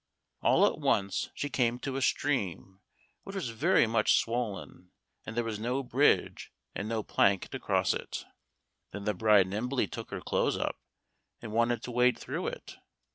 All at once she came to a stream which was very much swollen, and there was no bridge and no plank to cross it. Then the bride nimbly took her clothes up, and wanted to wade through it.